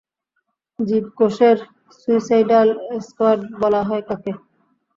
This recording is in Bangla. জীবকোষের সুইসাইডাল স্কোয়াড বলা হয় কাকে?